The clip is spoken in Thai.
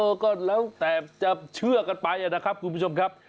ก็แล้วแต่จะเชื่อกันไปนะครับคุณผู้ชมครับ